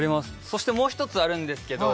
そしてもう一つあるんですけど